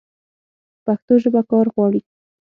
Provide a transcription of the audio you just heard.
پښتو ژبه کار غواړي.